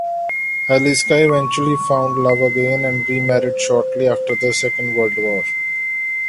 Eliska eventually found love again and remarried shortly after the Second World War.